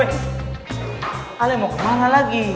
weh ale mau kemana lagi